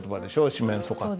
「四面楚歌」って。